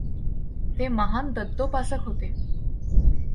ते महान दत्तोपासक होते.